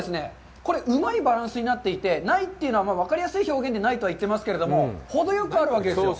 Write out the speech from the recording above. これ、うまいバランスになっていて、ないというのは分かりやすい表現でないと言っていますが、ほどよくあるわけです。